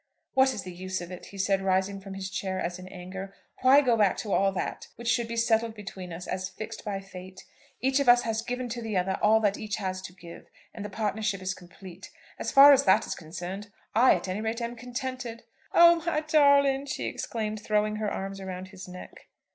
"What is the use of it?" he said, rising from his chair as in anger. "Why go back to all that which should be settled between us, as fixed by fate? Each of us has given to the other all that each has to give, and the partnership is complete. As far as that is concerned, I at any rate am contented." "Ah, my darling!" she exclaimed, throwing her arms round his neck.